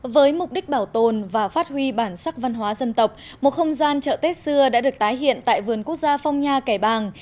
với mục đích bảo tồn và phát huy bản sắc văn hóa dân tộc một không gian chợ tết xưa đã được tái hiện tại vườn quốc gia phong nha kẻ bàng